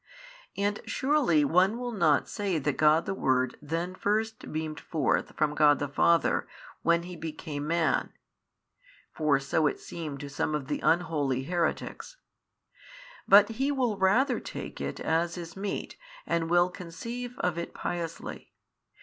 And surely one will not say that God the Word then first beamed forth from God the Father, when He became Man (for so it seemed to some of the unholy heretics) but he will rather take it as is meet and will conceive of it piously.